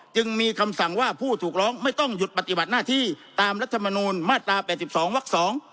จึงมีคำสั่งว่าผู้ถูกร้องไม่ต้องหยุดปฏิบัติหน้าที่ตามรัฐมนูลมาตรา๘๒วัก๒